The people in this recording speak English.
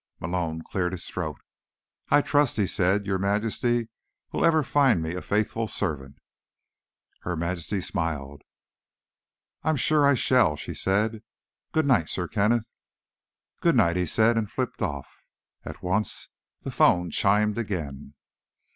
Malone cleared his throat. "I trust," he said, "Your Majesty will ever find me a faithful servant." Her Majesty smiled. "I'm sure I shall," she said. "Good night, Sir Kenneth." "Good night," he said, and flipped off. At once, the phone chimed again.